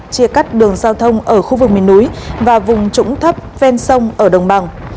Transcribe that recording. chia cắt đường giao thông ở khu vực miền núi và vùng trũng thấp ven sông ở đồng bằng